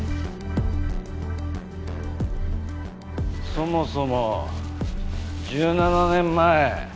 そもそも１７年前。